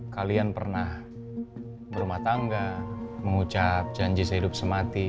kalian pernah berumah tangga mengucap janji sehidup semati